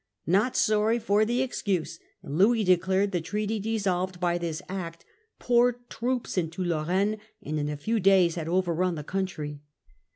Not sorry for the excuse, Louis declared the treaty dissolved by this act, poured troops into Lorraine, and in a few days had overrun the country.